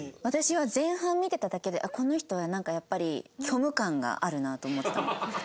私は前半見てただけでこの人はなんかやっぱり虚無感があるなと思ってたの。